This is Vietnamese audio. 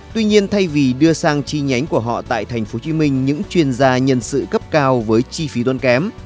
tuy nhiên thay vì đưa sang chi nhánh của họ tại tp hcm những chuyên gia nhân sự cấp cao với chi phí tuân kém